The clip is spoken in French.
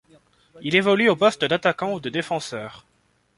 Il évolue au poste d'attaquant ou de défenseur.